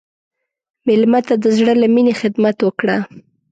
مېلمه ته د زړه له میني خدمت وکړه.